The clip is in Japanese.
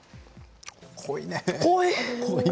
濃いね。